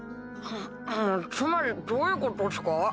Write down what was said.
つまりどういうことっすか？